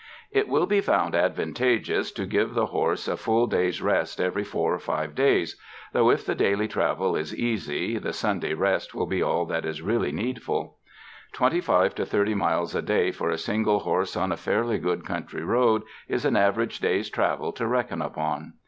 It will be found advantageous to give the horse a full day's rest every four or five days, though if the daily travel is easy the Sunday rest will be all that is really needful. Twenty five to thirty miles a day for a single horse on a fairly good country road is an average day's travel to reckon upon.